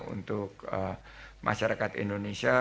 untuk masyarakat indonesia